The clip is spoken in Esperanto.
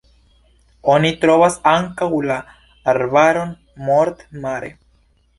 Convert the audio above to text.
Oni trovas ankaŭ la arbaron Mort-Mare.